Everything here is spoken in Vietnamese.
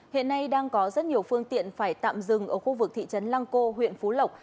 hiện nay đang có rất nhiều phương tiện phải tạm dừng ở khu vực thị trấn lăng cô huyện phú lộc